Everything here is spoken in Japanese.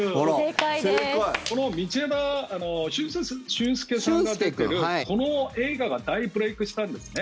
駿佑さんが出てるこの映画が大ブレークしたんですね。